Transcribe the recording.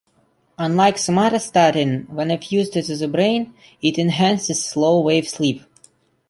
Unlike somatostatin, when infused into the brain, it enhances slow-wave sleep.